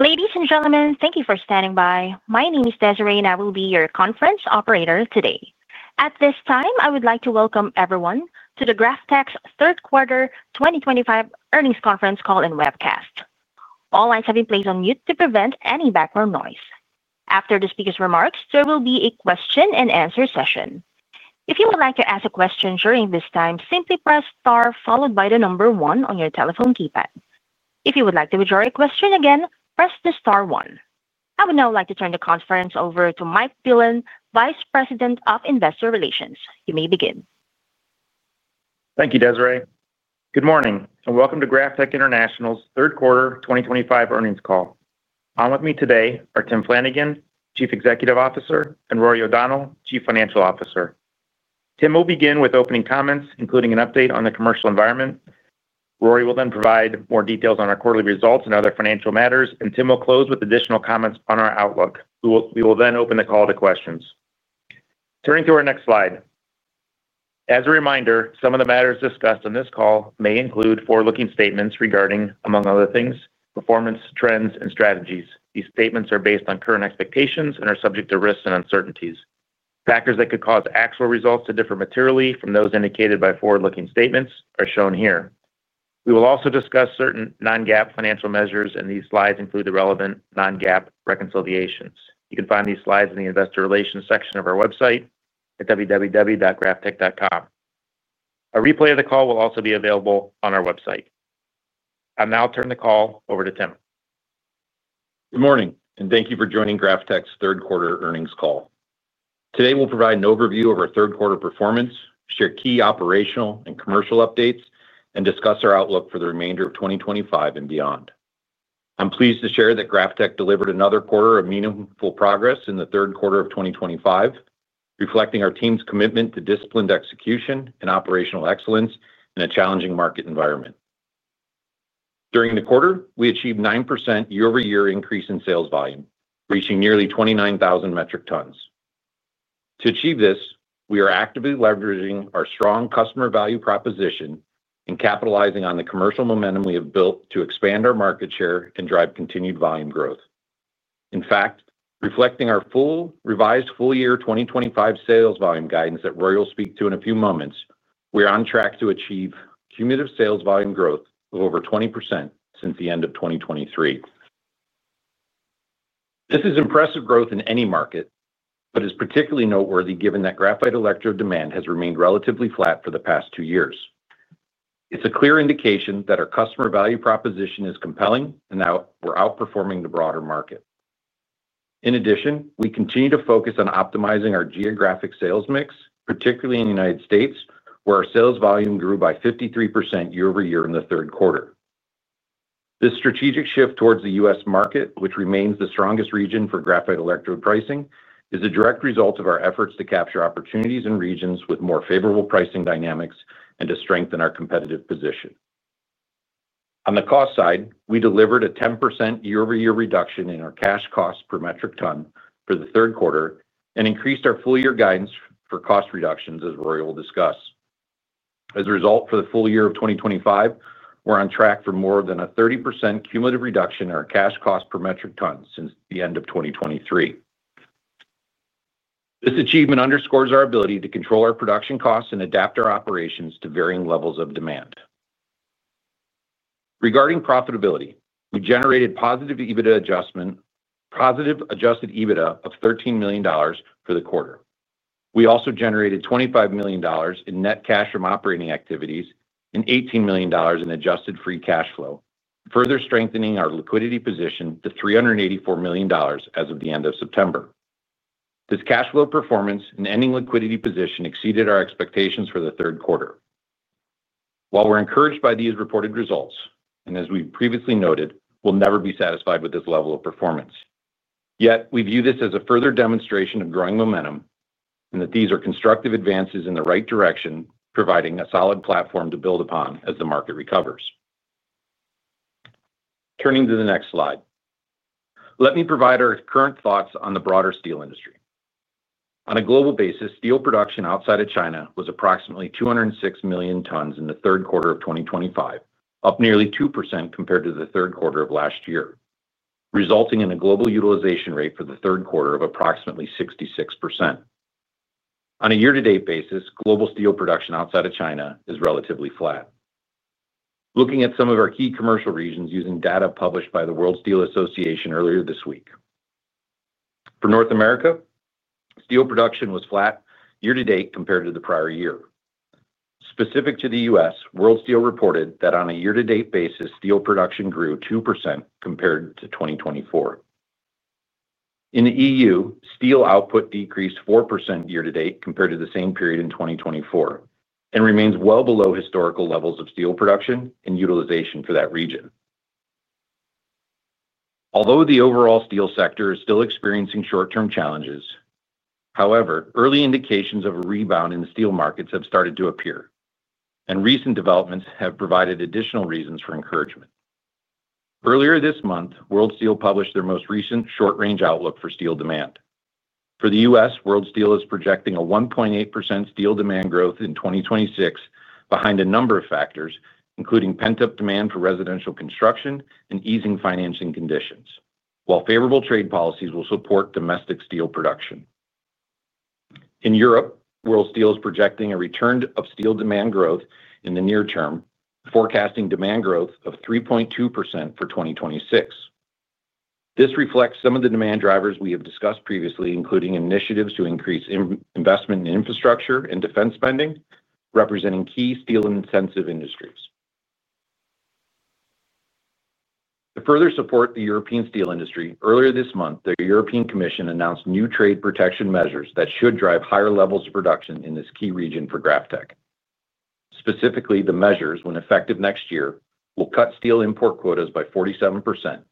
Ladies and gentlemen, thank you for standing by. My name is Desiree, and I will be your conference operator today. At this time, I would like to welcome everyone to GrafTech third quarter 2025 earnings conference call and webcast. All lines have been placed on mute to prevent any background noise. After the speakers' remarks, there will be a question and answer session. If you would like to ask a question during this time, simply press star followed by the number one on your telephone keypad. If you would like to withdraw your question, again press the star one. I would now like to turn the conference over to Mike Dillon, Vice President of Investor Relations. You may begin. Thank you, Desiree. Good morning, and welcome to GrafTech International's third quarter 2025 earnings call. On with me today are Tim Flanagan, Chief Executive Officer, and Rory O'Donnell, Chief Financial Officer. Tim will begin with opening comments, including an update on the commercial environment. Rory will then provide more details on our quarterly results and other financial matters, and Tim will close with additional comments on our outlook. We will then open the call to questions. Turning to our next slide. As a reminder, some of the matters discussed in this call may include forward-looking statements regarding, among other things, performance trends and strategies. These statements are based on current expectations and are subject to risks and uncertainties. Factors that could cause actual results to differ materially from those indicated by forward-looking statements are shown here. We will also discuss certain non-GAAP financial measures, and these slides include the relevant non-GAAP reconciliations. You can find these slides in the Investor Relations section of our website at www.graftech.com. A replay of the call will also be available on our website. I'll now turn the call over to Tim. Good morning, and thank you for joining GrafTech third quarter earnings call. Today, we'll provide an overview of our third quarter performance, share key operational and commercial updates, and discuss our outlook for the remainder of 2025 and beyond. I'm pleased to share that GrafTech delivered another quarter of meaningful progress in the third quarter of 2025, reflecting our team's commitment to disciplined execution and operational excellence in a challenging market environment. During the quarter, we achieved a 9% year-over-year increase in sales volume, reaching nearly 29,000 metric tons. To achieve this, we are actively leveraging our strong customer value proposition and capitalizing on the commercial momentum we have built to expand our market share and drive continued volume growth. In fact, reflecting our revised full-year 2025 sales volume guidance that Rory will speak to in a few moments, we are on track to achieve cumulative sales volume growth of over 20% since the end of 2023. This is impressive growth in any market, but it's particularly noteworthy given that graphite electrode demand has remained relatively flat for the past two years. It's a clear indication that our customer value proposition is compelling and that we're outperforming the broader market. In addition, we continue to focus on optimizing our geographic sales mix, particularly in the United States, where our sales volume grew by 53% year-over-year in the third quarter. This strategic shift towards the U.S. market, which remains the strongest region for graphite electrode pricing, is a direct result of our efforts to capture opportunities in regions with more favorable pricing dynamics and to strengthen our competitive position. On the cost side, we delivered a 10% year-over-year reduction in our cash cost per metric ton for the third quarter and increased our full-year guidance for cost reductions, as Rory will discuss. As a result, for the full year of 2025, we're on track for more than a 30% cumulative reduction in our cash cost per metric ton since the end of 2023. This achievement underscores our ability to control our production costs and adapt our operations to varying levels of demand. Regarding profitability, we generated positive adjusted EBITDA of $13 million for the quarter. We also generated $25 million in net cash from operating activities and $18 million in adjusted free cash flow, further strengthening our liquidity position to $384 million as of the end of September. This cash flow performance and ending liquidity position exceeded our expectations for the third quarter. While we're encouraged by these reported results, and as we previously noted, we'll never be satisfied with this level of performance. Yet, we view this as a further demonstration of growing momentum and that these are constructive advances in the right direction, providing a solid platform to build upon as the market recovers. Turning to the next slide, let me provide our current thoughts on the broader steel industry. On a global basis, steel production outside of China was approximately 206 million tons in the third quarter of 2025, up nearly 2% compared to the third quarter of last year, resulting in a global utilization rate for the third quarter of approximately 66%. On a year-to-date basis, global steel production outside of China is relatively flat. Looking at some of our key commercial regions using data published by the World Steel Association earlier this week. For North America, steel production was flat year to date compared to the prior year. Specific to the U.S., World Steel reported that on a year-to-date basis, steel production grew 2% compared to 2024. In EU, steel output decreased 4% year to date compared to the same period in 2024 and remains well below historical levels of steel production and utilization for that region. Although the overall steel sector is still experiencing short-term challenges, early indications of a rebound in the steel markets have started to appear, and recent developments have provided additional reasons for encouragement. Earlier this month, World Steel published their most recent short-range outlook for steel demand. For the U.S., World Steel is projecting a 1.8% steel demand growth in 2026, behind a number of factors, including pent-up demand for residential construction and easing financing conditions, while favorable trade policies will support domestic steel production. In Europe, World Steel is projecting a return of steel demand growth in the near term, forecasting demand growth of 3.2% for 2026. This reflects some of the demand drivers we have discussed previously, including initiatives to increase investment in infrastructure and defense spending, representing key steel-intensive industries. To further support the European steel industry, earlier this month, the European Commission announced new trade protection measures that should drive higher levels of production in this key region for GrafTech. Specifically, the measures, when effective next year, will cut steel import quotas by 47%,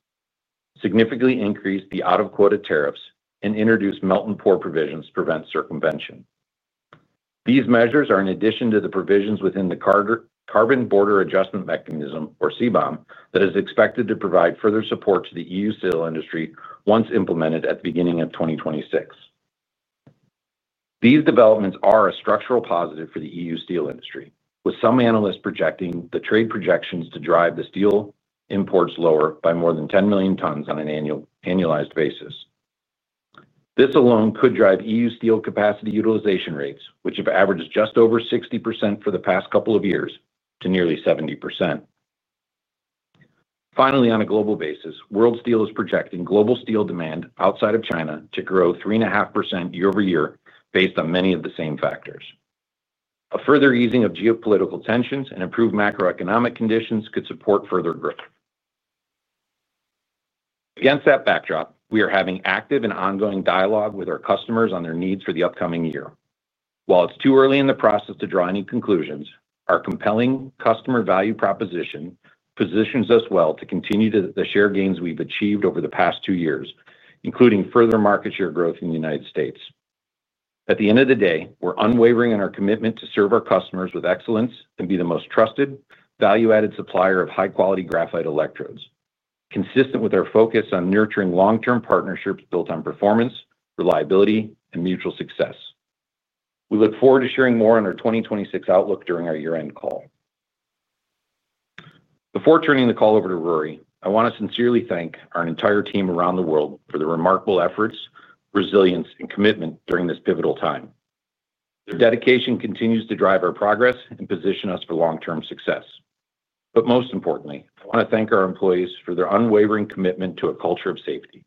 significantly increase the out-of-quota tariffs, and introduce melt-and-pour provisions to prevent circumvention. These measures are in addition to the provisions within the Carbon Border Adjustment Mechanism, or CBAM, that is expected to provide further support to the EU steel industry once implemented at the beginning of 2026. These developments are a structural positive for the EU steel industry, with some analysts projecting the trade protections to drive the steel imports lower by more than 10 million tons on an annualized basis. This alone could drive EU steel capacity utilization rates, which have averaged just over 60% for the past couple of years, to nearly 70%. Finally, on a global basis, World Steel is projecting global steel demand outside of China to grow 3.5% year over year based on many of the same factors. A further easing of geopolitical tensions and improved macroeconomic conditions could support further growth. Against that backdrop, we are having active and ongoing dialogue with our customers on their needs for the upcoming year. While it's too early in the process to draw any conclusions, our compelling customer value proposition positions us well to continue the share gains we've achieved over the past two years, including further market share growth in the United States. At the end of the day, we're unwavering in our commitment to serve our customers with excellence and be the most trusted, value-added supplier of high-quality graphite electrodes, consistent with our focus on nurturing long-term partnerships built on performance, reliability, and mutual success. We look forward to sharing more on our 2026 outlook during our year-end call. Before turning the call over to Rory O'Donnell, I want to sincerely thank our entire team around the world for their remarkable efforts, resilience, and commitment during this pivotal time. Their dedication continues to drive our progress and position us for long-term success. Most importantly, I want to thank our employees for their unwavering commitment to a culture of safety.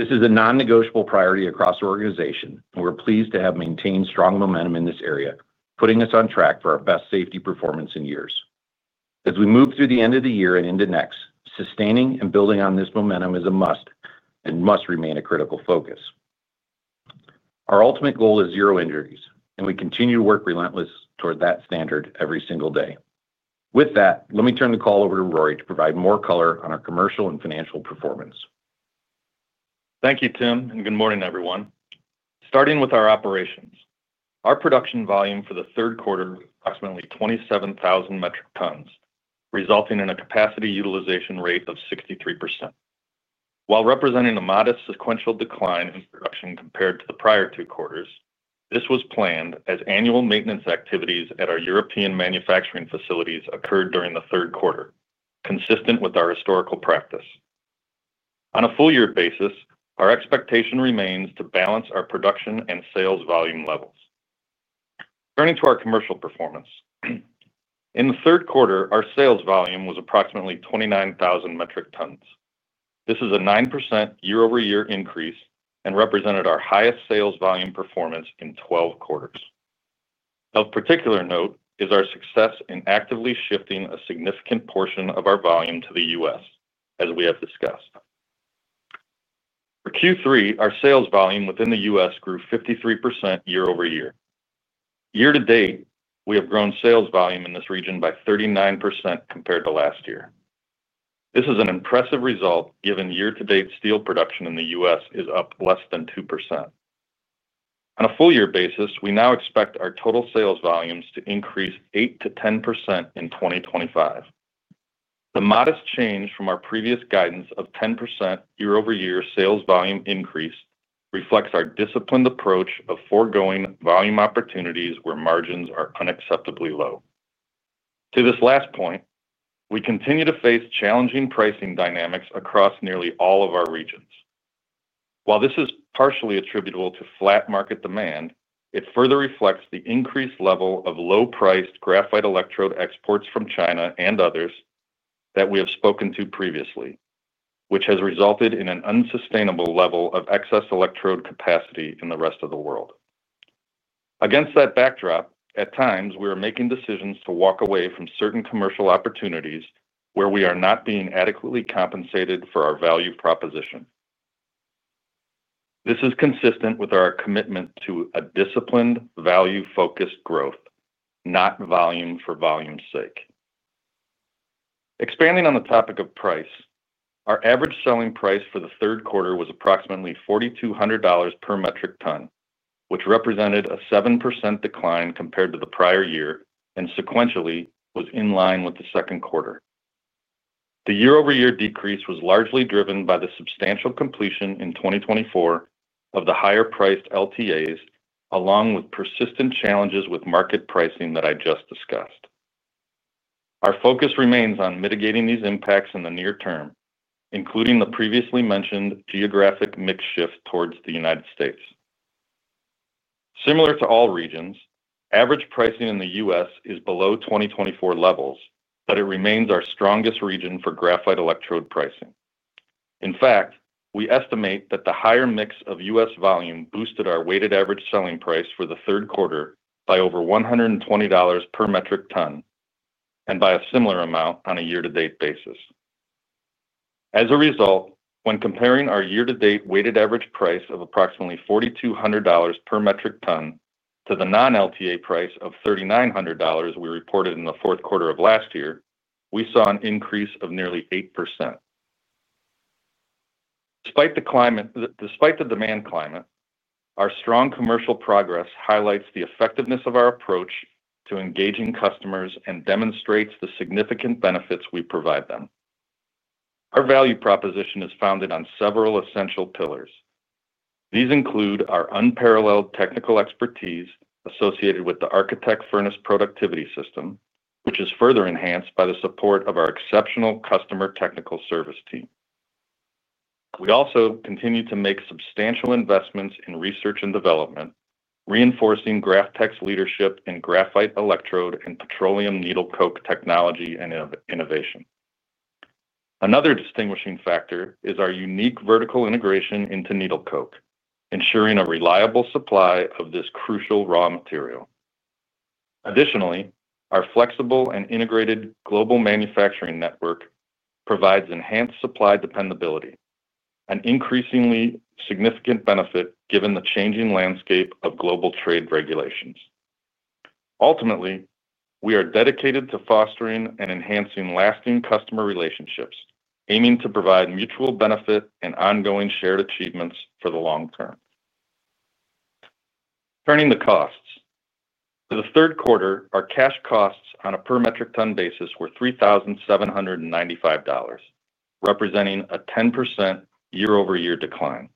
This is a non-negotiable priority across our organization, and we're pleased to have maintained strong momentum in this area, putting us on track for our best safety performance in years. As we move through the end of the year and into next, sustaining and building on this momentum is a must and must remain a critical focus. Our ultimate goal is zero injuries, and we continue to work relentlessly toward that standard every single day. With that, let me turn the call over to Rory to provide more color on our commercial and financial performance. Thank you, Tim, and good morning, everyone. Starting with our operations, our production volume for the third quarter was approximately 27,000 metric tons, resulting in a capacity utilization rate of 63%. While representing a modest sequential decline in production compared to the prior two quarters, this was planned as annual maintenance activities at our European manufacturing facilities occurred during the third quarter, consistent with our historical practice. On a full-year basis, our expectation remains to balance our production and sales volume levels. Turning to our commercial performance, in the third quarter, our sales volume was approximately 29,000 metric tons. This is a 9% year-over-year increase and represented our highest sales volume performance in 12 quarters. Of particular note is our success in actively shifting a significant portion of our volume to the U.S., as we have discussed. For Q3, our sales volume within the U.S. grew 53% year over year. Year to date, we have grown sales volume in this region by 39% compared to last year. This is an impressive result given year-to-date steel production in the U.S. is up less than 2%. On a full-year basis, we now expect our total sales volumes to increase 8% to 10% in 2025. The modest change from our previous guidance of 10% year-over-year sales volume increase reflects our disciplined approach of foregoing volume opportunities where margins are unacceptably low. To this last point, we continue to face challenging pricing dynamics across nearly all of our regions. While this is partially attributable to flat market demand, it further reflects the increased level of low-priced graphite electrode exports from China and others that we have spoken to previously, which has resulted in an unsustainable level of excess electrode capacity in the rest of the world. Against that backdrop, at times, we are making decisions to walk away from certain commercial opportunities where we are not being adequately compensated for our value proposition. This is consistent with our commitment to a disciplined, value-focused growth, not volume for volume's sake. Expanding on the topic of price, our average selling price for the third quarter was approximately $4,200 per metric ton, which represented a 7% decline compared to the prior year and sequentially was in line with the second quarter. The year-over-year decrease was largely driven by the substantial completion in 2024 of the higher-priced LTAs, along with persistent challenges with market pricing that I just discussed. Our focus remains on mitigating these impacts in the near term, including the previously mentioned geographic mix shift towards the United States. Similar to all regions, average pricing in the U.S. is below 2024 levels, but it remains our strongest region for graphite electrode pricing. In fact, we estimate that the higher mix of U.S. volume boosted our weighted average selling price for the third quarter by over $120 per metric ton and by a similar amount on a year-to-date basis. As a result, when comparing our year-to-date weighted average price of approximately $4,200 per metric ton to the non-LTA price of $3,900 we reported in the fourth quarter of last year, we saw an increase of nearly 8%. Despite the demand climate, our strong commercial progress highlights the effectiveness of our approach to engaging customers and demonstrates the significant benefits we provide them. Our value proposition is founded on several essential pillars. These include our unparalleled technical expertise associated with the architect furnace productivity system, which is further enhanced by the support of our exceptional customer technical service team. We also continue to make substantial investments in research and development, reinforcing GrafTech's leadership in graphite electrode and petroleum needle coke technology and innovation. Another distinguishing factor is our unique vertical integration into needle coke, ensuring a reliable supply of this crucial raw material. Additionally, our flexible and integrated global manufacturing network provides enhanced supply dependability, an increasingly significant benefit given the changing landscape of global trade regulations. Ultimately, we are dedicated to fostering and enhancing lasting customer relationships, aiming to provide mutual benefit and ongoing shared achievements for the long term. Turning to costs, for the third quarter, our cash costs on a per metric ton basis were $3,795, representing a 10% year-over-year decline.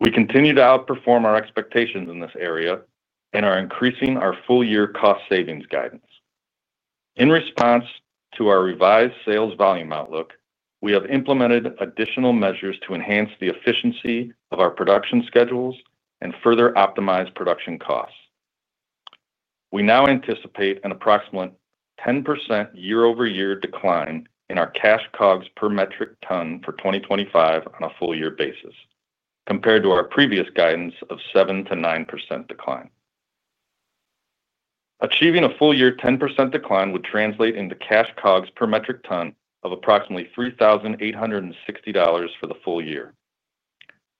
We continue to outperform our expectations in this area and are increasing our full-year cost savings guidance. In response to our revised sales volume outlook, we have implemented additional measures to enhance the efficiency of our production schedules and further optimize production costs. We now anticipate an approximate 10% year-over-year decline in our cash COGS per metric ton for 2025 on a full-year basis, compared to our previous guidance of 7% to 9% decline. Achieving a full-year 10% decline would translate into cash COGS per metric ton of approximately $3,860 for the full year.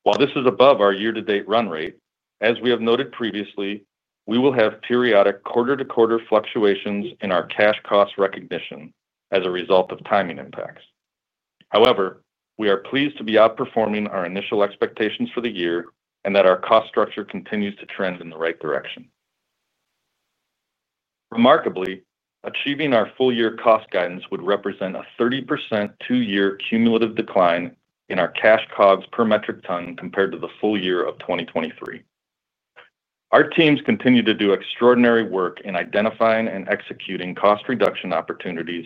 While this is above our year-to-date run rate, as we have noted previously, we will have periodic quarter-to-quarter fluctuations in our cash cost recognition as a result of timing impacts. However, we are pleased to be outperforming our initial expectations for the year and that our cost structure continues to trend in the right direction. Remarkably, achieving our full-year cost guidance would represent a 30% two-year cumulative decline in our cash COGS per metric ton compared to the full year of 2023. Our teams continue to do extraordinary work in identifying and executing cost reduction opportunities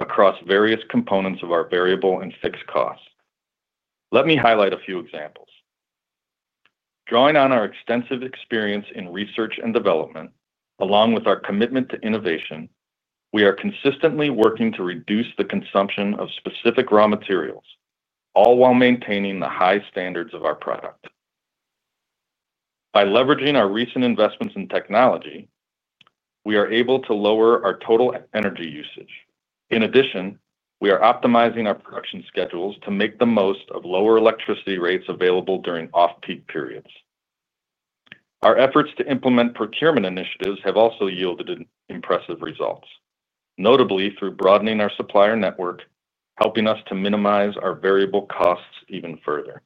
across various components of our variable and fixed costs. Let me highlight a few examples. Drawing on our extensive experience in research and development, along with our commitment to innovation, we are consistently working to reduce the consumption of specific raw materials, all while maintaining the high standards of our product. By leveraging our recent investments in technology, we are able to lower our total energy usage. In addition, we are optimizing our production schedules to make the most of lower electricity rates available during off-peak periods. Our efforts to implement procurement initiatives have also yielded impressive results, notably through broadening our supplier network, helping us to minimize our variable costs even further.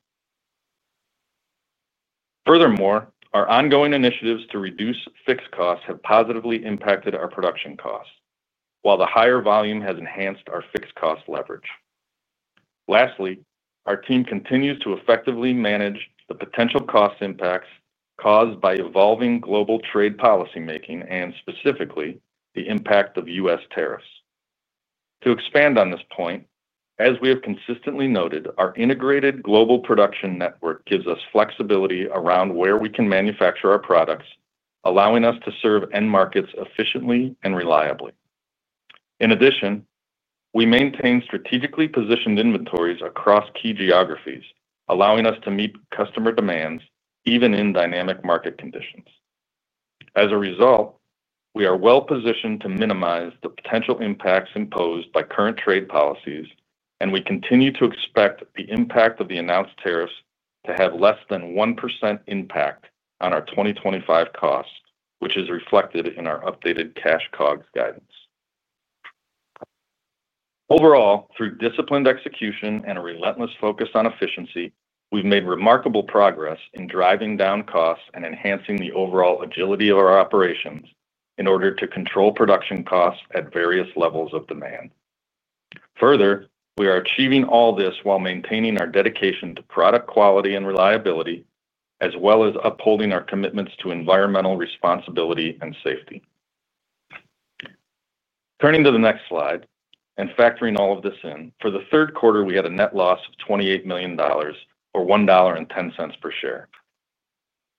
Furthermore, our ongoing initiatives to reduce fixed costs have positively impacted our production costs, while the higher volume has enhanced our fixed cost leverage. Lastly, our team continues to effectively manage the potential cost impacts caused by evolving global trade policymaking and specifically the impact of U.S. tariffs. To expand on this point, as we have consistently noted, our integrated global production network gives us flexibility around where we can manufacture our products, allowing us to serve end markets efficiently and reliably. In addition, we maintain strategically positioned inventories across key geographies, allowing us to meet customer demands even in dynamic market conditions. As a result, we are well positioned to minimize the potential impacts imposed by current trade policies, and we continue to expect the impact of the announced tariffs to have less than 1% impact on our 2025 costs, which is reflected in our updated cash COGS guidance. Overall, through disciplined execution and a relentless focus on efficiency, we've made remarkable progress in driving down costs and enhancing the overall agility of our operations in order to control production costs at various levels of demand. Further, we are achieving all this while maintaining our dedication to product quality and reliability, as well as upholding our commitments to environmental responsibility and safety. Turning to the next slide and factoring all of this in, for the third quarter, we had a net loss of $28 million, or $1.10 per share.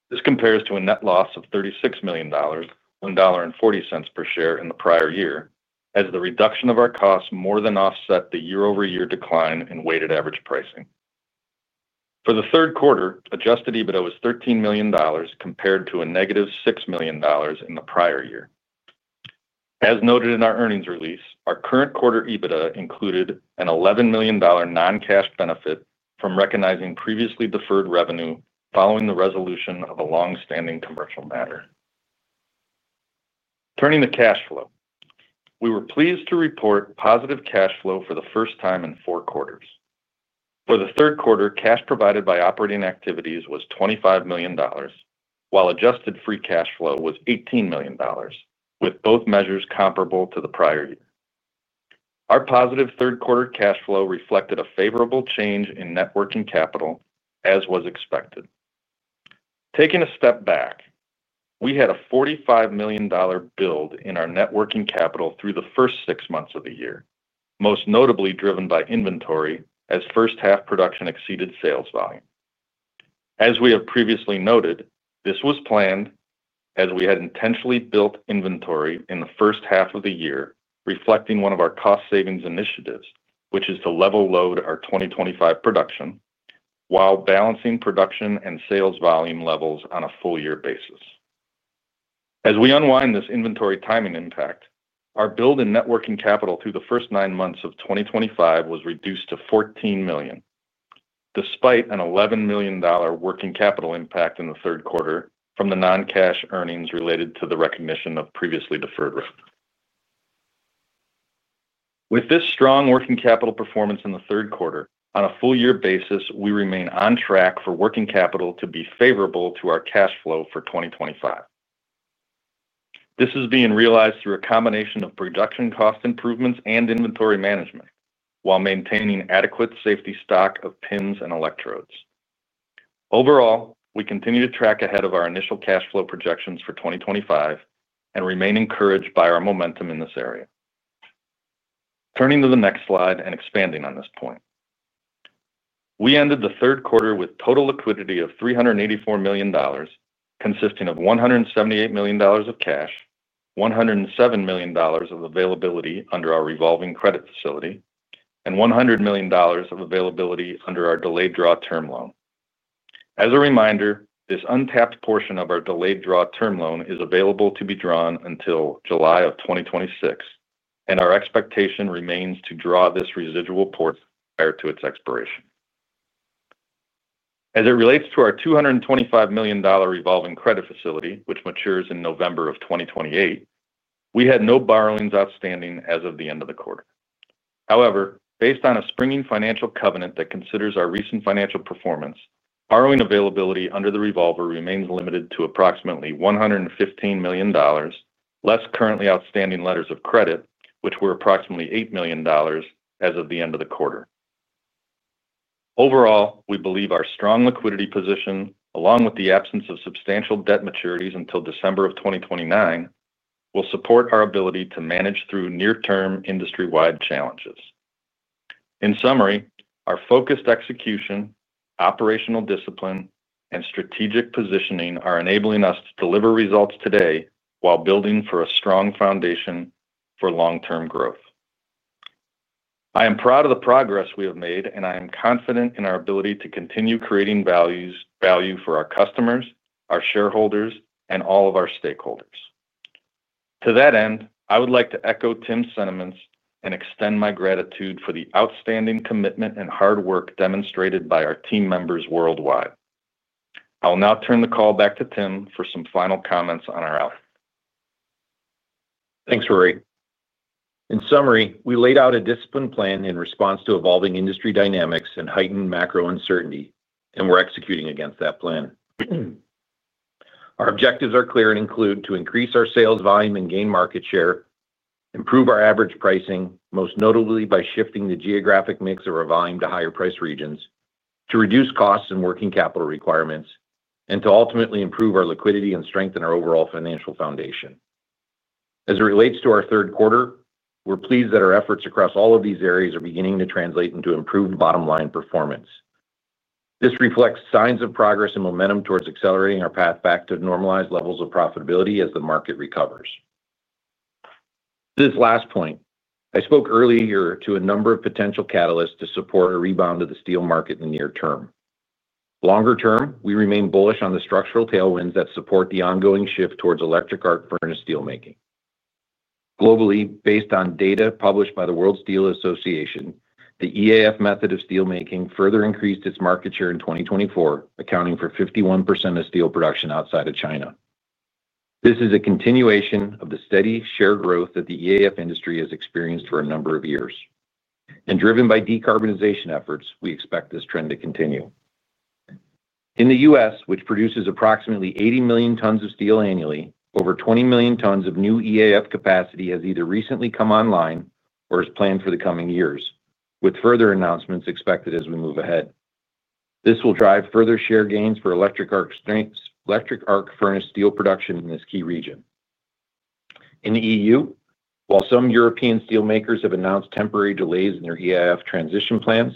This compares to a net loss of $36 million, $1.40 per share in the prior year, as the reduction of our costs more than offset the year-over-year decline in weighted average pricing. For the third quarter, adjusted EBITDA was $13 million compared to a negative $6 million in the prior year. As noted in our earnings release, our current quarter EBITDA included an $11 million non-cash benefit from recognizing previously deferred revenue following the resolution of a longstanding commercial matter. Turning to cash flow, we were pleased to report positive cash flow for the first time in four quarters. For the third quarter, cash provided by operating activities was $25 million, while adjusted free cash flow was $18 million, with both measures comparable to the prior year. Our positive third quarter cash flow reflected a favorable change in net working capital, as was expected. Taking a step back, we had a $45 million build in our net working capital through the first six months of the year, most notably driven by inventory as first half production exceeded sales volume. As we have previously noted, this was planned as we had intentionally built inventory in the first half of the year, reflecting one of our cost savings initiatives, which is to level load our 2025 production while balancing production and sales volume levels on a full-year basis. As we unwind this inventory timing impact, our build in net working capital through the first nine months of 2025 was reduced to $14 million, despite an $11 million working capital impact in the third quarter from the non-cash earnings related to the recognition of previously deferred revenue. With this strong working capital performance in the third quarter, on a full-year basis, we remain on track for working capital to be favorable to our cash flow for 2025. This is being realized through a combination of production cost improvements and inventory management, while maintaining adequate safety stock of pins and electrodes. Overall, we continue to track ahead of our initial cash flow projections for 2025 and remain encouraged by our momentum in this area. Turning to the next slide and expanding on this point, we ended the third quarter with total liquidity of $384 million, consisting of $178 million of cash, $107 million of availability under our revolving credit facility, and $100 million of availability under our delayed draw term loan. As a reminder, this untapped portion of our delayed draw term loan is available to be drawn until July of 2026, and our expectation remains to draw this residual part prior to its expiration. As it relates to our $225 million revolving credit facility, which matures in November of 2028, we had no borrowings outstanding as of the end of the quarter. However, based on a springing financial covenant that considers our recent financial performance, borrowing availability under the revolver remains limited to approximately $115 million, less currently outstanding letters of credit, which were approximately $8 million as of the end of the quarter. Overall, we believe our strong liquidity position, along with the absence of substantial debt maturities until December of 2029, will support our ability to manage through near-term industry-wide challenges. In summary, our focused execution, operational discipline, and strategic positioning are enabling us to deliver results today while building for a strong foundation for long-term growth. I am proud of the progress we have made, and I am confident in our ability to continue creating value for our customers, our shareholders, and all of our stakeholders. To that end, I would like to echo Tim's sentiments and extend my gratitude for the outstanding commitment and hard work demonstrated by our team members worldwide. I'll now turn the call back to Tim for some final comments on our outlook. Thanks, Rory. In summary, we laid out a disciplined plan in response to evolving industry dynamics and heightened macro uncertainty, and we're executing against that plan. Our objectives are clear and include to increase our sales volume and gain market share, improve our average pricing, most notably by shifting the geographic mix of our volume to higher price regions, to reduce costs and working capital requirements, and to ultimately improve our liquidity and strengthen our overall financial foundation. As it relates to our third quarter, we're pleased that our efforts across all of these areas are beginning to translate into improved bottom line performance. This reflects signs of progress and momentum towards accelerating our path back to normalized levels of profitability as the market recovers. To this last point, I spoke earlier to a number of potential catalysts to support a rebound of the steel market in the near term. Longer term, we remain bullish on the structural tailwinds that support the ongoing shift towards electric arc furnace steelmaking. Globally, based on data published by the World Steel Association, the EAF method of steelmaking further increased its market share in 2024, accounting for 51% of steel production outside of China. This is a continuation of the steady share growth that the EAF industry has experienced for a number of years, and driven by decarbonization efforts, we expect this trend to continue. In the U.S., which produces approximately 80 million tons of steel annually, over 20 million tons of new EAF capacity has either recently come online or is planned for the coming years, with further announcements expected as we move ahead. This will drive further share gains for electric arc furnace steel production in this key region. In the EU, while some European steelmakers have announced temporary delays in their EAF transition plans,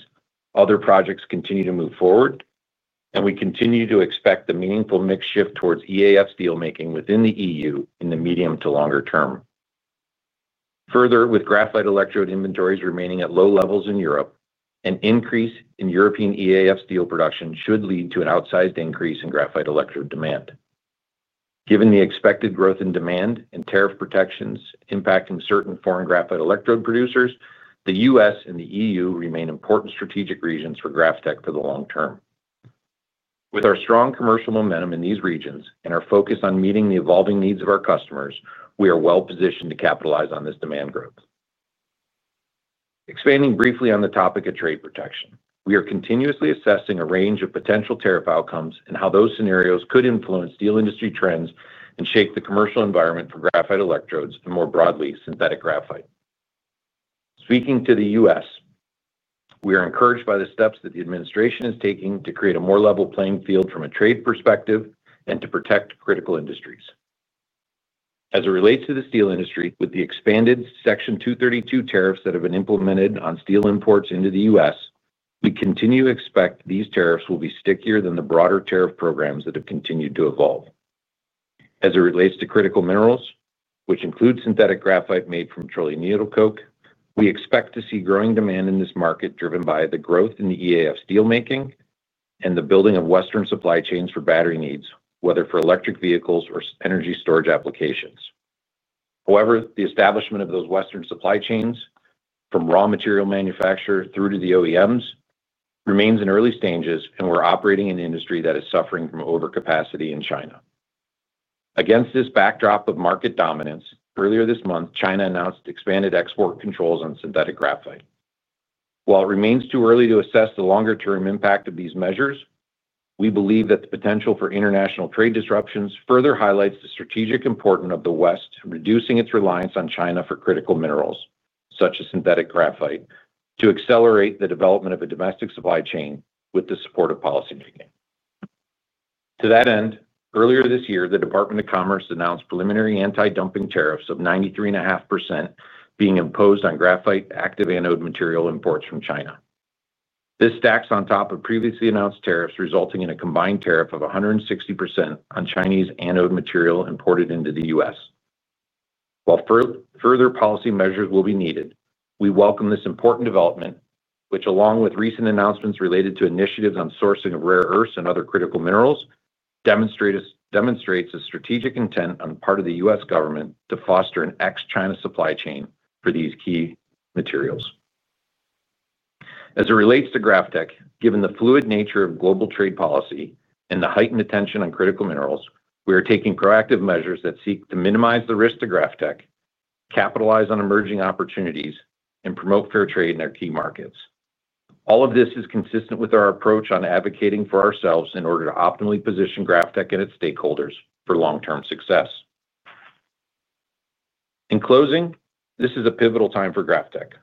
other projects continue to move forward, and we continue to expect a meaningful mix shift towards EAF steelmaking within the EU in the medium to longer term. Further, with graphite electrode inventories remaining at low levels in Europe, an increase in European EAF steel production should lead to an outsized increase in graphite electrode demand. Given the expected growth in demand and tariff protections impacting certain foreign graphite electrode producers, the U.S. and the EU remain important strategic regions for GrafTech for the long term. With our strong commercial momentum in these regions and our focus on meeting the evolving needs of our customers, we are well positioned to capitalize on this demand growth. Expanding briefly on the topic of trade protection, we are continuously assessing a range of potential tariff outcomes and how those scenarios could influence steel industry trends and shape the commercial environment for graphite electrodes and more broadly, synthetic graphite. Speaking to the U.S., we are encouraged by the steps that the administration is taking to create a more level playing field from a trade perspective and to protect critical industries. As it relates to the steel industry, with the expanded Section 232 tariffs that have been implemented on steel imports into the U.S., we continue to expect these tariffs will be stickier than the broader tariff programs that have continued to evolve. As it relates to critical minerals, which include synthetic graphite made from petroleum needle coke, we expect to see growing demand in this market driven by the growth in the (EAF) steelmaking and the building of Western supply chains for battery needs, whether for electric vehicles or energy storage applications. However, the establishment of those Western supply chains, from raw material manufacturer through to the OEMs, remains in early stages, and we're operating in an industry that is suffering from overcapacity in China. Against this backdrop of market dominance, earlier this month, China announced expanded export controls on synthetic graphite. While it remains too early to assess the longer-term impact of these measures, we believe that the potential for international trade disruptions further highlights the strategic importance of the West reducing its reliance on China for critical minerals, such as synthetic graphite, to accelerate the development of a domestic supply chain with the support of policymaking. To that end, earlier this year, the Department of Commerce announced preliminary anti-dumping tariffs of 93.5% being imposed on graphite active anode material imports from China. This stacks on top of previously announced tariffs, resulting in a combined tariff of 160% on Chinese anode material imported into the U.S. While further policy measures will be needed, we welcome this important development, which, along with recent announcements related to initiatives on sourcing of rare earths and other critical minerals, demonstrates a strategic intent on the part of the U.S. government to foster an ex-China supply chain for these key materials. As it relates to GrafTech, given the fluid nature of global trade policy and the heightened attention on critical minerals, we are taking proactive measures that seek to minimize the risk to GrafTech, capitalize on emerging opportunities, and promote fair trade in our key markets. All of this is consistent with our approach on advocating for ourselves in order to optimally position GrafTech and its stakeholders for long-term success. In closing, this is a pivotal time for GrafTech.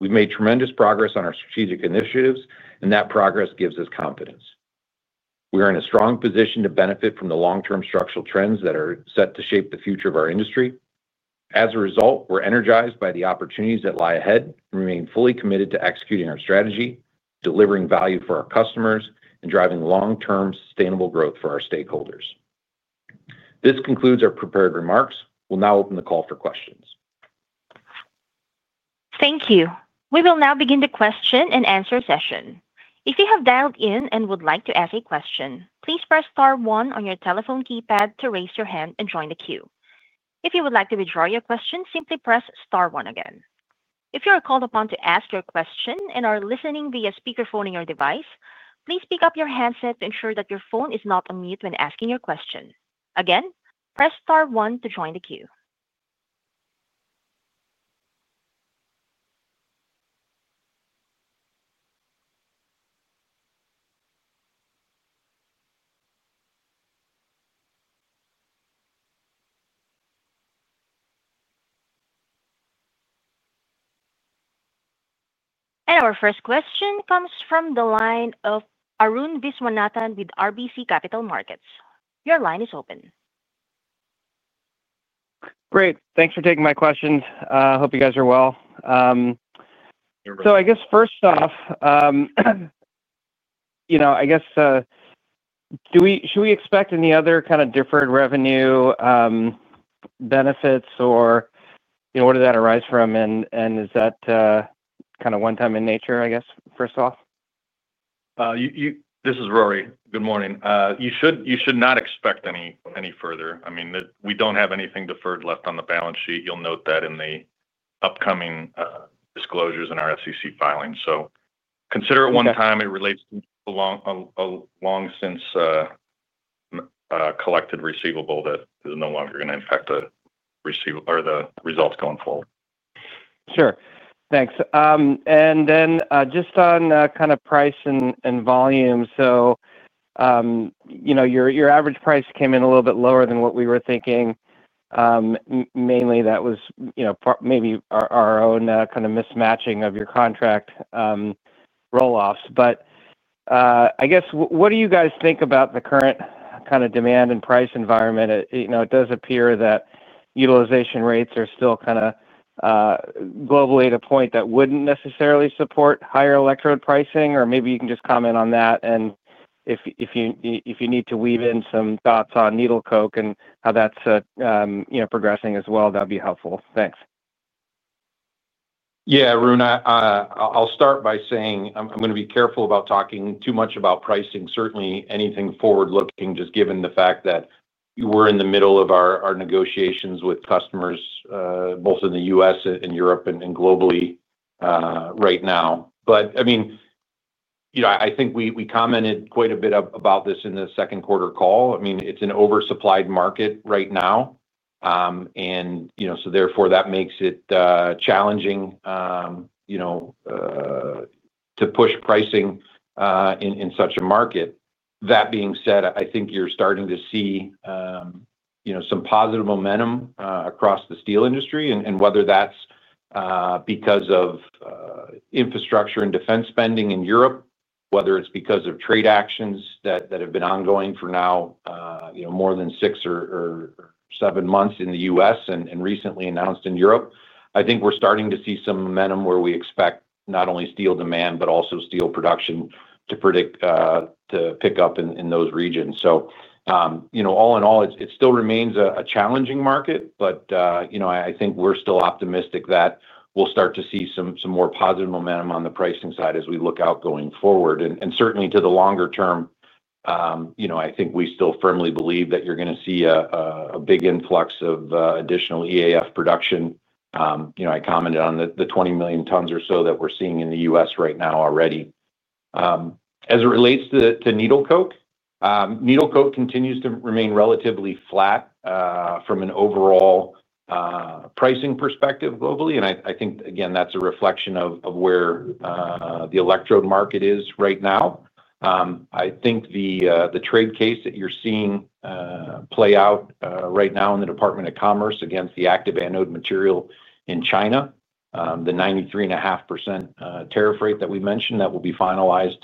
We've made tremendous progress on our strategic initiatives, and that progress gives us confidence. We are in a strong position to benefit from the long-term structural trends that are set to shape the future of our industry. As a result, we're energized by the opportunities that lie ahead and remain fully committed to executing our strategy, delivering value for our customers, and driving long-term sustainable growth for our stakeholders. This concludes our prepared remarks. We'll now open the call for questions. Thank you. We will now begin the question and answer session. If you have dialed in and would like to ask a question, please press star one on your telephone keypad to raise your hand and join the queue. If you would like to withdraw your question, simply press star one again. If you are called upon to ask your question and are listening via speakerphone in your device, please pick up your headset to ensure that your phone is not on mute when asking your question. Again, press star one to join the queue. Our first question comes from the line of Arun Viswanathan with RBC Capital Markets. Your line is open. Great. Thanks for taking my question. I hope you guys are well. First off, do we, should we expect any other kind of deferred revenue benefits or where did that arise from? Is that kind of one-time in nature, first off? Good morning. You should not expect any further. I mean, we don't have anything deferred left on the balance sheet. You'll note that in the upcoming disclosures in our SEC filings. Consider it one time. It relates to a long, a long since collected receivable that is no longer going to impact the receivable or the results going forward. Sure. Thanks. Just on kind of price and volume, your average price came in a little bit lower than what we were thinking. Mainly, that was maybe our own kind of mismatching of your contract rolloffs. What do you guys think about the current kind of demand and price environment? It does appear that utilization rates are still kind of globally at a point that wouldn't necessarily support higher graphite electrode pricing. Maybe you can just comment on that. If you need to weave in some thoughts on petroleum needle coke and how that's progressing as well, that would be helpful. Thanks. Yeah, Arun, I'll start by saying I'm going to be careful about talking too much about pricing. Certainly, anything forward-looking, just given the fact that we're in the middle of our negotiations with customers, both in the U.S. and Europe and globally right now. I think we commented quite a bit about this in the second quarter call. It's an oversupplied market right now, and that makes it challenging to push pricing in such a market. That being said, I think you're starting to see some positive momentum across the steel industry. Whether that's because of infrastructure and defense spending in Europe, or because of trade actions that have been ongoing for now more than six or seven months in the U.S. and recently announced in Europe, I think we're starting to see some momentum where we expect not only steel demand, but also steel production to pick up in those regions. All in all, it still remains a challenging market, but I think we're still optimistic that we'll start to see some more positive momentum on the pricing side as we look out going forward. Certainly to the longer term, I think we still firmly believe that you're going to see a big influx of additional EAF production. I commented on the 20 million tons or so that we're seeing in the U.S. right now already. As it relates to petroleum needle coke, needle coke continues to remain relatively flat from an overall pricing perspective globally. I think, again, that's a reflection of where the graphite electrode market is right now. The trade case that you're seeing play out right now in the Department of Commerce against the active anode material in China, the 93.5% tariff rate that we mentioned that will be finalized,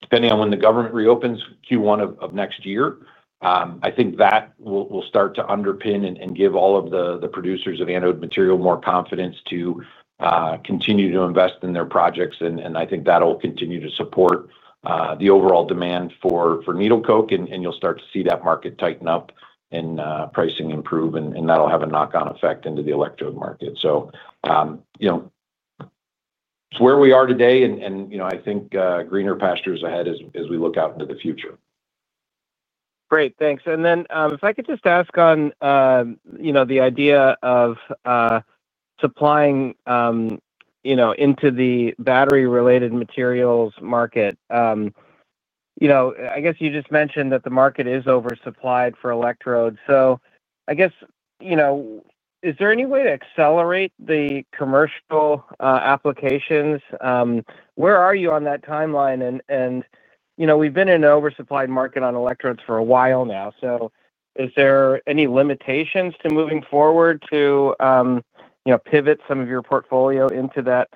depending on when the government reopens Q1 of next year, I think that will start to underpin and give all of the producers of anode material more confidence to continue to invest in their projects. I think that'll continue to support the overall demand for petroleum needle coke, and you'll start to see that market tighten up and pricing improve, and that'll have a knock-on effect into the graphite electrode market. It's where we are today, and I think greener pastures ahead as we look out into the future. Great, thanks. If I could just ask on the idea of supplying into the battery-related materials market, I guess you just mentioned that the market is oversupplied for electrodes. I guess, is there any way to accelerate the commercial applications? Where are you on that timeline? We've been in an oversupplied market on electrodes for a while now. Is there any limitations to moving forward to pivot some of your portfolio into that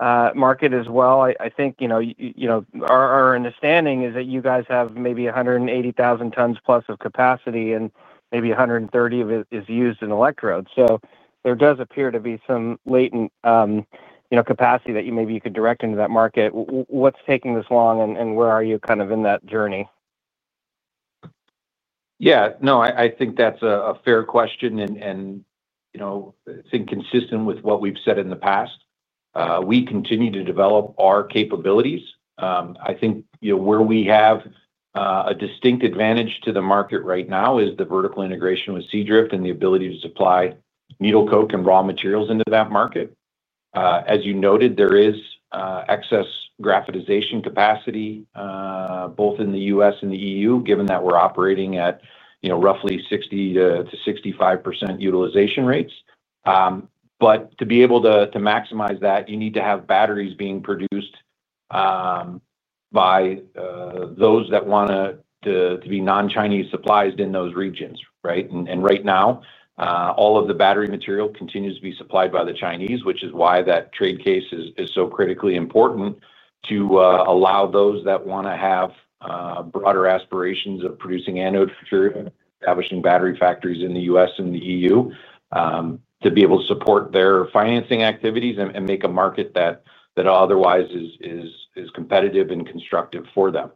market as well? I think our understanding is that you guys have maybe 180,000 tons plus of capacity, and maybe 130,000 of it is used in electrodes. There does appear to be some latent capacity that you maybe could direct into that market. What's taking this long, and where are you kind of in that journey? Yeah, no, I think that's a fair question, and I think consistent with what we've said in the past. We continue to develop our capabilities. I think where we have a distinct advantage to the market right now is the vertical integration with SeaDrift and the ability to supply needle coke and raw materials into that market. As you noted, there is excess graphitization capacity, both in the U.S. and the EU, given that we're operating at roughly 60 to 65% utilization rates. To be able to maximize that, you need to have batteries being produced by those that want to be non-Chinese supplied in those regions, right? Right now, all of the battery material continues to be supplied by the Chinese, which is why that trade case is so critically important to allow those that want to have broader aspirations of producing anode material, establishing battery factories in the U.S. and the EU, to be able to support their financing activities and make a market that otherwise is competitive and constructive for them.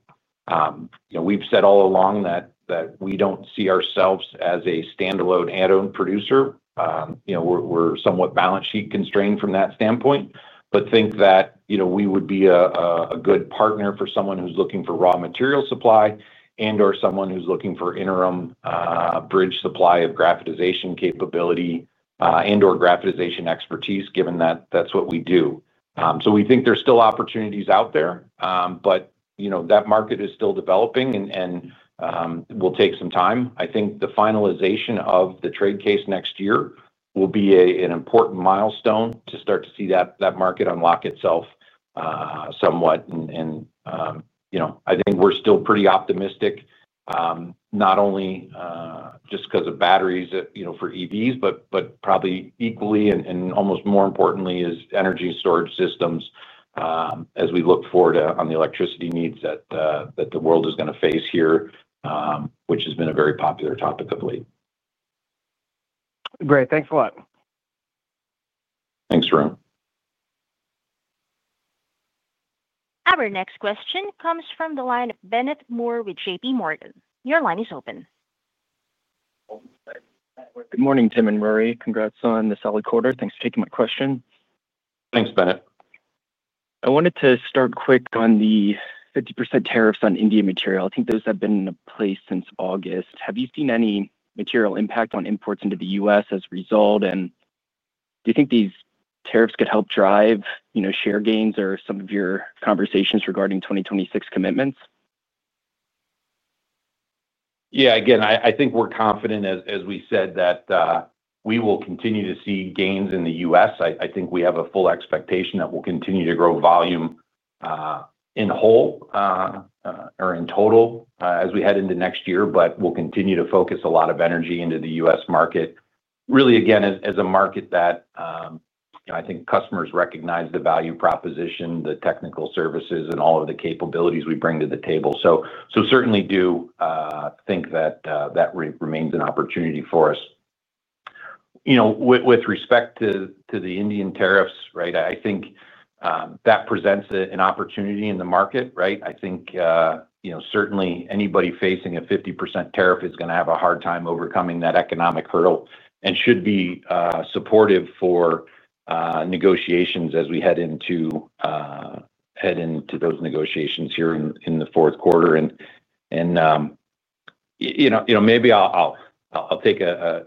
We've said all along that we don't see ourselves as a standalone anode producer. We're somewhat balance sheet constrained from that standpoint, but think that we would be a good partner for someone who's looking for raw material supply and/or someone who's looking for interim bridge supply of graphitization capability and/or graphitization expertise, given that that's what we do. We think there's still opportunities out there, but that market is still developing and will take some time. I think the finalization of the trade case next year will be an important milestone to start to see that market unlock itself somewhat. I think we're still pretty optimistic, not only just because of batteries for EVs, but probably equally and almost more importantly is energy storage systems as we look forward to on the electricity needs that the world is going to face here, which has been a very popular topic of the week. Great, thanks a lot. Thanks, Arun. Our next question comes from the line of Bennett Moore with JPMorgan. Your line is open. Good morning, Tim and Rory. Congrats on the solid quarter. Thanks for taking my question. Thanks, Bennett. I wanted to start quick on the 50% tariffs on India material. I think those have been in place since August. Have you seen any material impact on imports into the U.S. as a result? Do you think these tariffs could help drive, you know, share gains or some of your conversations regarding 2026 commitments? Yeah, again, I think we're confident, as we said, that we will continue to see gains in the U.S. I think we have a full expectation that we'll continue to grow volume in whole or in total as we head into next year, but we'll continue to focus a lot of energy into the U.S. market. Really, again, as a market that, you know, I think customers recognize the value proposition, the technical services, and all of the capabilities we bring to the table. Certainly do think that that remains an opportunity for us. With respect to the Indian tariffs, I think that presents an opportunity in the market. I think certainly anybody facing a 50% tariff is going to have a hard time overcoming that economic hurdle and should be supportive for negotiations as we head into those negotiations here in the fourth quarter. Maybe I'll take an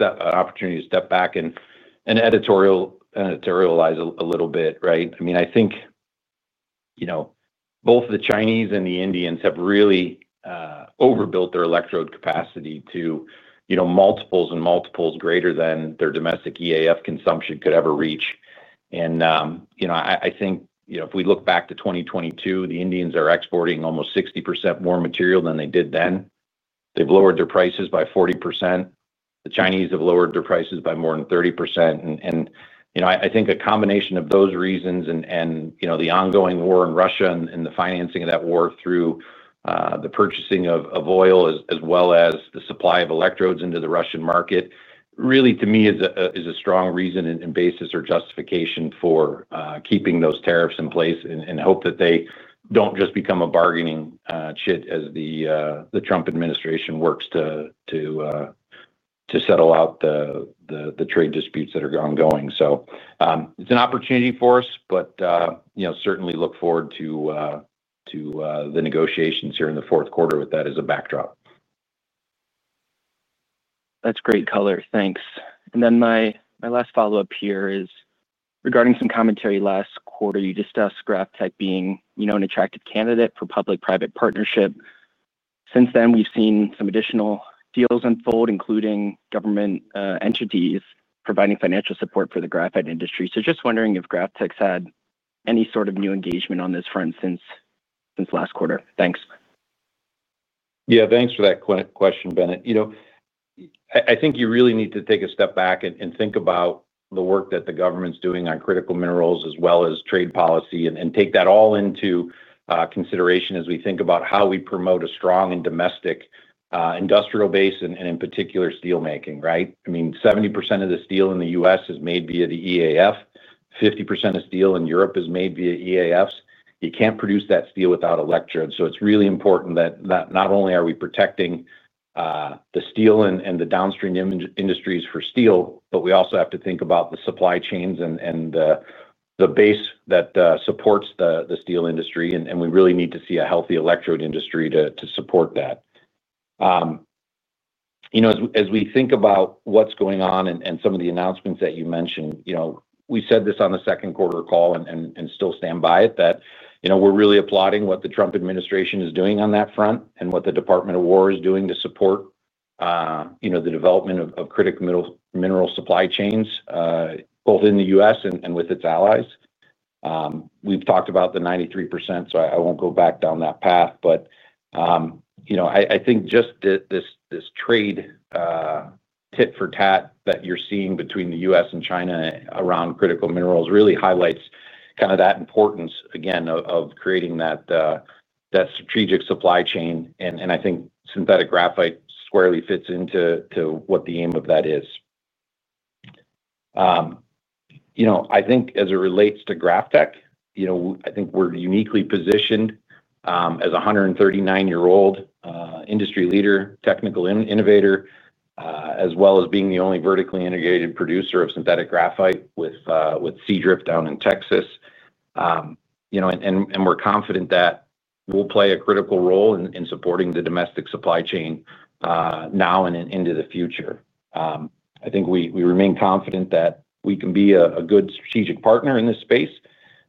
opportunity to step back and editorialize a little bit. I mean, I think both the Chinese and the Indians have really overbuilt their electrode capacity to multiples and multiples greater than their domestic EAF consumption could ever reach. If we look back to 2022, the Indians are exporting almost 60% more material than they did then. They've lowered their prices by 40%. The Chinese have lowered their prices by more than 30%. I think a combination of those reasons and the ongoing war in Russia and the financing of that war through the purchasing of oil, as well as the supply of electrodes into the Russian market, really, to me, is a strong reason and basis or justification for keeping those tariffs in place and hope that they don't just become a bargaining chit as the Trump administration works to settle out the trade disputes that are ongoing. It's an opportunity for us, but certainly look forward to the negotiations here in the fourth quarter with that as a backdrop. That's great color. Thanks. My last follow-up here is regarding some commentary last quarter. You discussed GrafTech being, you know, an attractive candidate for public-private partnerships. Since then, we've seen some additional deals unfold, including government entities providing financial support for the graphite industry. Just wondering if GrafTech's had any sort of new engagement on this front since last quarter. Thanks. Yeah, thanks for that question, Bennett. I think you really need to take a step back and think about the work that the government's doing on critical minerals, as well as trade policy, and take that all into consideration as we think about how we promote a strong and domestic industrial base, and in particular, steelmaking, right? I mean, 70% of the steel in the U.S. is made via the EAF. 50% of steel in Europe is made via EAFs. You can't produce that steel without electrode. It's really important that not only are we protecting the steel and the downstream industries for steel, but we also have to think about the supply chains and the base that supports the steel industry. We really need to see a healthy electrode industry to support that. As we think about what's going on and some of the announcements that you mentioned, we said this on the second quarter call and still stand by it, that we're really applauding what the Trump administration is doing on that front and what the Department of War is doing to support the development of critical mineral supply chains, both in the U.S. and with its allies. We've talked about the 93%, so I won't go back down that path. I think just this trade tit for tat that you're seeing between the U.S. and China around critical minerals really highlights the importance, again, of creating that strategic supply chain. I think synthetic graphite squarely fits into what the aim of that is. As it relates to GrafTech, I think we're uniquely positioned as a 139-year-old industry leader, technical innovator, as well as being the only vertically integrated producer of synthetic graphite with SeaDrift down in Texas. We're confident that we'll play a critical role in supporting the domestic supply chain now and into the future. I think we remain confident that we can be a good strategic partner in this space,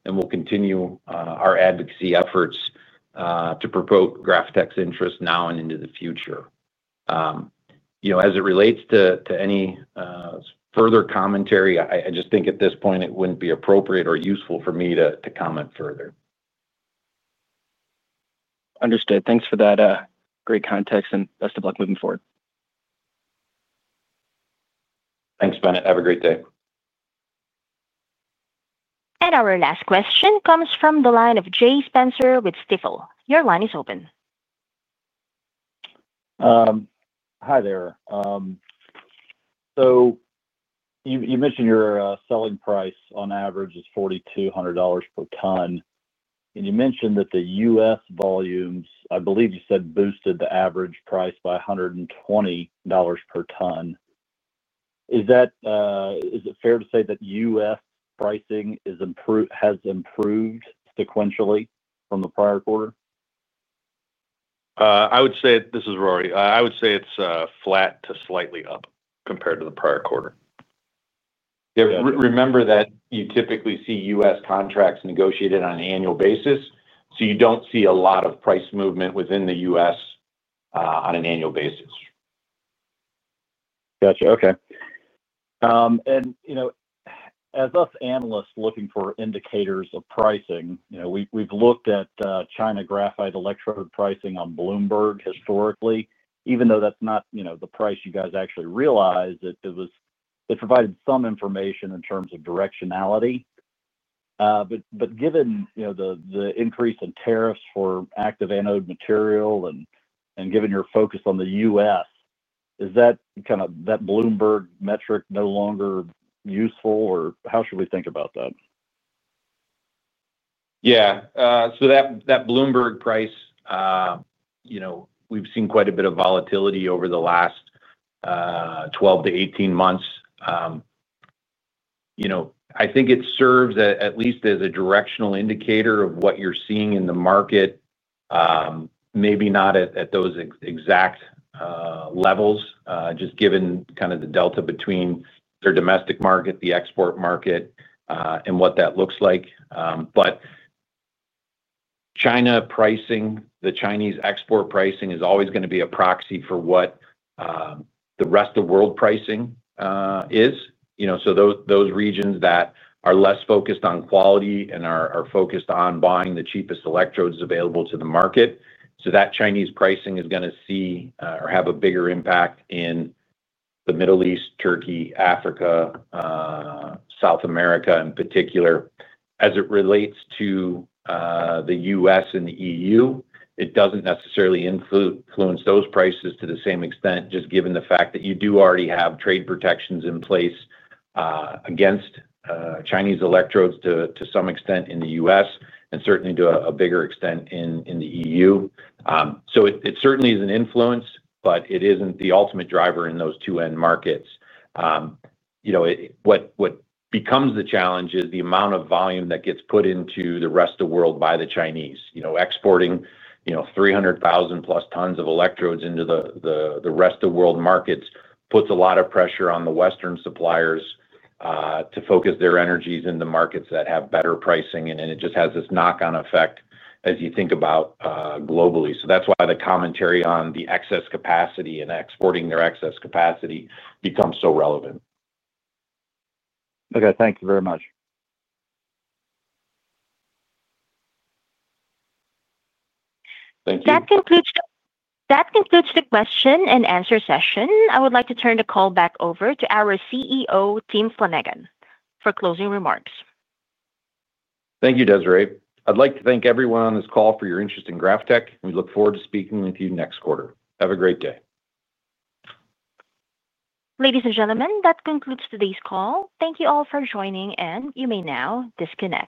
and we'll continue our advocacy efforts to promote GrafTech's interest now and into the future. As it relates to any further commentary, I just think at this point it wouldn't be appropriate or useful for me to comment further. Understood. Thanks for that great context, and best of luck moving forward. Thanks, Bennett. Have a great day. Our last question comes from the line of Jay Spencer with Stifel. Your line is open. Hi there. You mentioned your selling price on average is $4,200 per ton, and you mentioned that the U.S. volumes, I believe you said, boosted the average price by $120 per ton. Is it fair to say that U.S. pricing has improved sequentially from the prior quarter? I would say it's flat to slightly up compared to the prior quarter. Remember that you typically see U.S. contracts negotiated on an annual basis, so you don't see a lot of price movement within the U.S. on an annual basis. Gotcha. Okay. As U.S. analysts looking for indicators of pricing, we've looked at China graphite electrode pricing on Bloomberg historically, even though that's not the price you guys actually realized. It provided some information in terms of directionality. Given the increase in tariffs for active anode material and given your focus on the U.S., is that Bloomberg metric no longer useful, or how should we think about that? Yeah. That Bloomberg price, you know, we've seen quite a bit of volatility over the last 12 to 18 months. I think it serves at least as a directional indicator of what you're seeing in the market, maybe not at those exact levels, just given kind of the delta between their domestic market, the export market, and what that looks like. China pricing, the Chinese export pricing is always going to be a proxy for what the rest of the world pricing is. Those regions that are less focused on quality and are focused on buying the cheapest electrodes available to the market, that Chinese pricing is going to see or have a bigger impact in the Middle East, Turkey, Africa, South America in particular. As it relates to the U.S. and the EU, it doesn't necessarily influence those prices to the same extent, just given the fact that you do already have trade protections in place against Chinese electrodes to some extent in the U.S. and certainly to a bigger extent in the EU. It certainly is an influence, but it isn't the ultimate driver in those two end markets. What becomes the challenge is the amount of volume that gets put into the rest of the world by the Chinese. Exporting 300,000 plus tons of electrodes into the rest of the world markets puts a lot of pressure on the Western suppliers to focus their energies in the markets that have better pricing, and it just has this knock-on effect as you think about globally. That's why the commentary on the excess capacity and exporting their excess capacity becomes so relevant. Okay, thank you very much. Thank you. That concludes the question and answer session. I would like to turn the call back over to our CEO, Tim Flanagan, for closing remarks. Thank you, Desiree. I'd like to thank everyone on this call for your interest in GrafTech, and we look forward to speaking with you next quarter. Have a great day. Ladies and gentlemen, that concludes today's call. Thank you all for joining, and you may now disconnect.